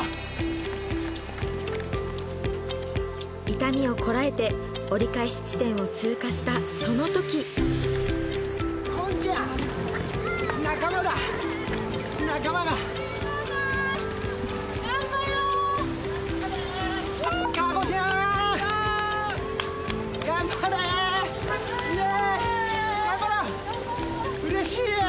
痛みをこらえて折り返し地点を通過したその時頑張れわあ頑張ろうイエー！